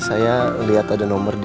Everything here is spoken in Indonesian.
saya liat ada nomer disini